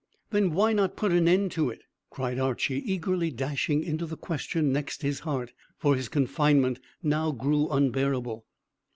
"Then why not put an end to it?" cried Archy, eagerly dashing into the question next his heart, for his confinement now grew unbearable.